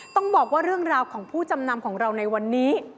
ต้องบอกว่าเรื่องราวของผู้จำนำของเราในวันนี้